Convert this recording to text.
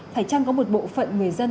phải chăng có một bộ phận người dân